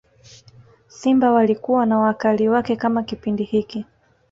simba walikuwa na wakali wake kama Kipindi hiki